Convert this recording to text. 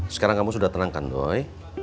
sekarang kamu sudah tenangkan roy